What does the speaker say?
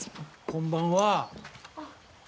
こんばんは。